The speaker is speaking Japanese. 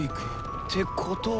ってことは。